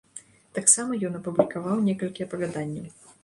Таксама ён апублікаваў некалькі апавяданняў.